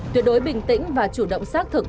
tuyệt đối bình tĩnh và chủ động xác thực